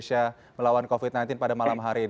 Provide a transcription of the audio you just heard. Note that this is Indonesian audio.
selamat malam pak